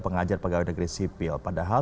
pengajar pegawai negeri sipil padahal